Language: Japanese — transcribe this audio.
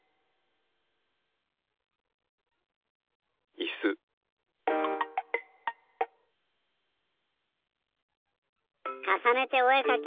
「いす」「かさねておえかき」